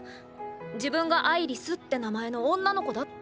自分がアイリスって名前の女の子だって。